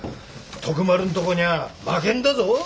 徳丸んとこにゃあ負けんだぞ。